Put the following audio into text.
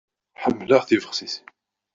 Ḥemmleɣ tibexsisin.